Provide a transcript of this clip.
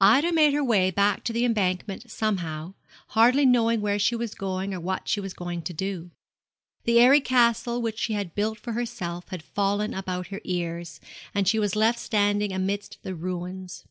Ida made her way back to the Embankment somehow, hardly knowing where she was going or what she was going to do. The airy castle which she had built for herself had fallen about her ears, and she was left standing amidst the ruins.